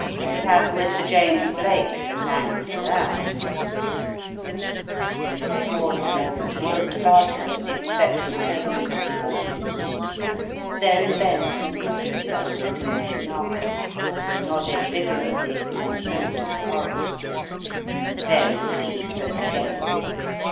We have Mr. James Blake to thank for thatl" He paused a moment and looked about him at the expectant faces of the audience, then bent and whis pered something to Mr. Narkom, who nodded vigor ously and spoke to the Coroner. Then Cleek spoke again.